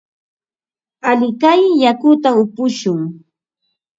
Alikay yakuta upushun.